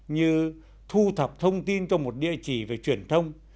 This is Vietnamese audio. như thu thập thông tin cho một địa chỉ về truyền thông